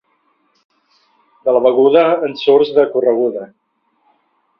De la Beguda en surts de correguda.